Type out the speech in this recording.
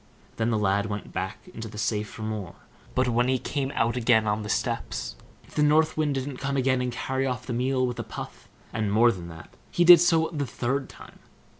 Then the lad went back into the safe for more; but when he came out again on the steps, if the North Wind didn't come again and carry off the meal with a puff; and, more than that, he did so the third time.